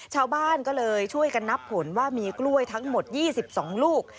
ชาวบ้านก็เลยช่วยกันนับผลว่ามีกล้วยทั้งหมด๒๒ลูก